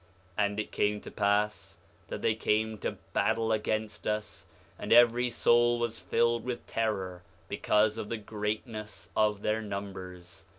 6:8 And it came to pass that they came to battle against us, and every soul was filled with terror because of the greatness of their numbers.